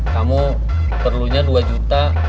kamu perlunya dua juta